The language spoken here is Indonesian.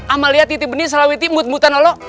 amalia titip benih saraweti mut mutan lolo